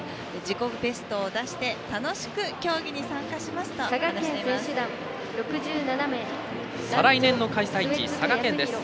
自己ベストを出して楽しく競技に参加しますと話しています。